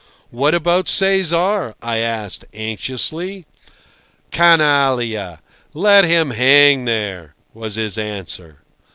"What about Cesar?" I asked anxiously. "Canallia! Let him hang there," was his answer.